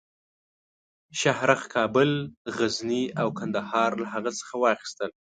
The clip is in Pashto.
شاهرخ کابل، غزني او قندهار له هغه څخه واخیستل.